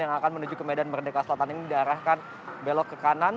yang akan menuju ke medan merdeka selatan ini diarahkan belok ke kanan